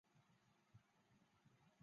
麦氏波鱼为鲤科波鱼属的鱼类。